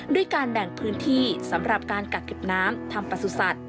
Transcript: ด้วยการแบ่งพื้นที่สำหรับการกักเก็บน้ำทำประสุทธิ์